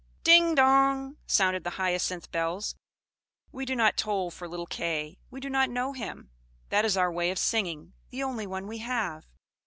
"Ding, dong!" sounded the Hyacinth bells. "We do not toll for little Kay; we do not know him. That is our way of singing, the only one we have."